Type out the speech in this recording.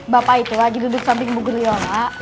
bapak itu lagi duduk samping bu guryola